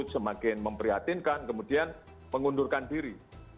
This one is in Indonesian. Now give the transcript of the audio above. semakin memprihatinkan kemudian mengundurkan diri